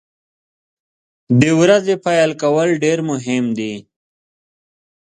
د ورځې پیل کول ډیر مهم دي.